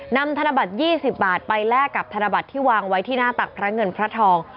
ธนบัตร๒๐บาทไปแลกกับธนบัตรที่วางไว้ที่หน้าตักพระเงินพระทอง